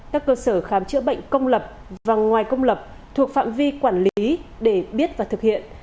các cơ sở khám chữa bệnh công lập và ngoài công lập thuộc phạm vi quản lý để biết và thực hiện